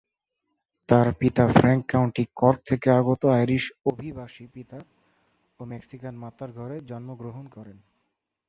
তার পিতা Frank county Cork থেকে আগত আইরিশ অভিবাসী পিতা ও মেক্সিকান মাতার ঘরে জন্মগ্রহণ করেন।